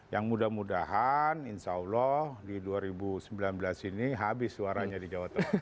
yang mudah mudahan insya allah di dua ribu sembilan belas ini habis suaranya di jawa tengah